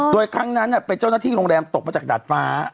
โดยครั้งนั้นเป็นเจ้าหน้าที่โรงแรมตกมาจากดาดฟ้า